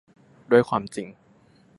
ด้วยความจริง